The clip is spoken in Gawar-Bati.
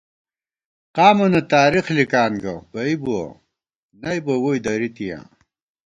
قامَنہ تارېخ لِکان گہ بئ بُوَہ نئ بہ ووئی درِی تِیاں